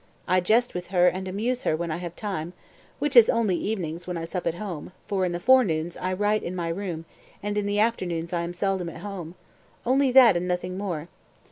I jest with her and amuse her when I have time (which is only evenings when I sup at home, for in the forenoons I write in my room and in the afternoons I am seldom at home); only that and nothing more.